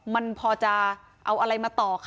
มันพอจะเอาอะไรมาต่อคะ